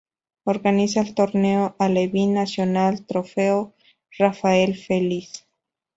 Organiza el torneo alevín nacional Trofeo Rafael Feliz.